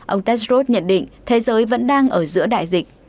ông tedshrod nhận định thế giới vẫn đang ở giữa đại dịch